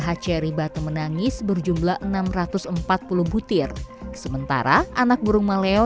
halia ceri batu menangis berjumlah enam ratus empat puluh butir sementara anak burung maleo